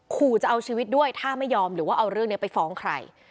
ขู่จะเอาชีวิตด้วยถ้าไม่ยอมหรือว่าเอาเรื่องนี้ไปฟ้องใคร